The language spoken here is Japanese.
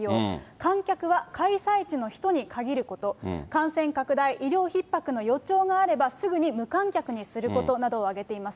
観客は開催地の人に限ること、感染拡大、医療ひっ迫の予兆があれば、すぐに無観客にすることなどを挙げています。